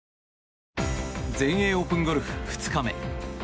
全英オープンゴルフ２日目。